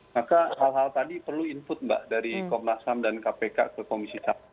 maka hal hal tadi perlu input mbak dari komnas ham dan kpk ke komisi satu